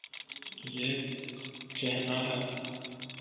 یہ کہنا ہے۔